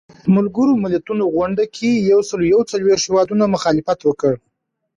ملګرو ملتونو غونډې کې یو سلو یو څلویښت هیوادونو مخالفت وکړ.